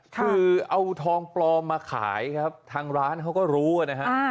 คือเอาทองปลอมมาขายครับทางร้านเขาก็รู้นะฮะ